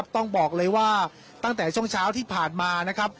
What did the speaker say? ต้องบอกเลยว่าตั้งแต่ช่วงเช้าที่ผ่านมานะครับ